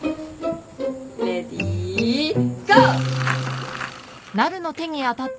レディーゴー！